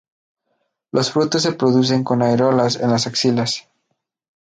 Los frutos se producen con areolas en las axilas.